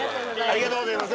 ありがとうございます。